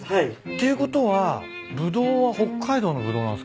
ていうことはブドウは北海道のブドウなんすか？